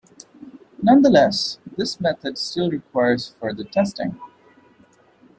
Nonetheless, this method still requires further testing.